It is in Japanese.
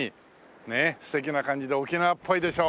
ねえ素敵な感じで沖縄っぽいでしょ。